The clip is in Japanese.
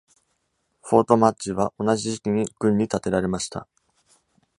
フォートマッジ (Fort Mudge) は、同じ時期に郡に建てられました。